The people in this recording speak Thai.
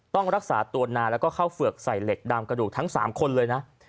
ต้องรักษาตัวนานแล้วก็เข้าเฝือกใส่เหล็กดามกระดูกทั้ง๓คนเลยนะ